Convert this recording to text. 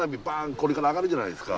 これから上がるじゃないですか。